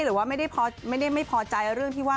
หรือว่าไม่ได้ไม่พอใจเรื่องที่ว่า